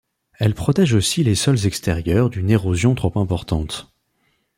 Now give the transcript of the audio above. Elles protègent aussi les sols extérieurs d'une érosion trop importante.